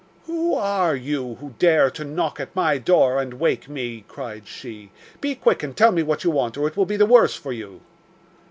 'Who are you who dare to knock at my door and wake me?' cried she. 'Be quick and tell me what you want, or it will be the worse for you.